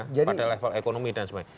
pada level ekonomi dan sebagainya